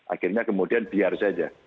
akhirnya kemudian biar saja